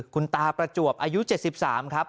คุณตาประจวบอายุ๗๓ครับ